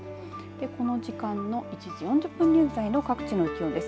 この時間の１時４０分現在の各地の気温です。